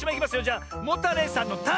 じゃモタレイさんの「タ」！